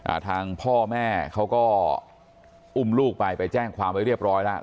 ทางพ่อแม่เขาก็อุ้มลูกไปไปแจ้งความไว้เรียบร้อยแล้ว